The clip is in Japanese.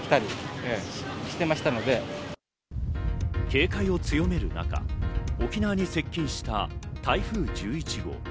警戒を強める中、沖縄に接近した台風１１号。